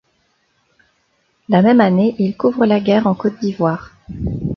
La même année, il couvre la guerre en Côte d’Ivoire.